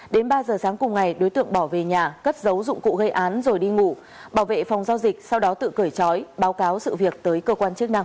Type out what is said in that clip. đến ba giờ sáng cùng ngày đối tượng bỏ về nhà cất giấu dụng cụ gây án rồi đi ngủ bảo vệ phòng giao dịch sau đó tự cởi trói báo cáo sự việc tới cơ quan chức năng